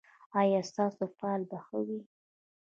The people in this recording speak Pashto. ایا ستاسو فال به ښه وي؟